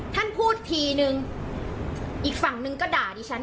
ท่านพูดทีนึงอีกฝั่งนึงก็ด่าดิฉัน